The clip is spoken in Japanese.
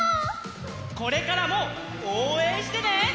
これからもおうえんしてね！